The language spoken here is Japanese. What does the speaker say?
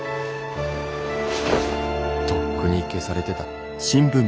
とっくに消されてた。